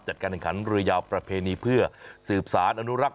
จัดการแข่งขันเรือยาวประเพณีเพื่อสืบสารอนุรักษ